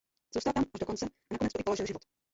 Zůstal tam až do konce a nakonec tu i položil život.